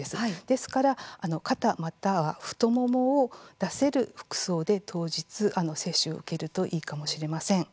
ですから肩または太ももを出せる服装で当日、接種を受けるといいかもしれません。